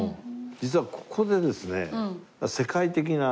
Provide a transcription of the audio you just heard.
実はここでですね